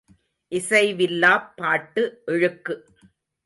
இசைவில்லாப் பாட்டு இழுக்கு.